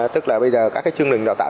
tức là bây giờ các cái chương trình đào tạo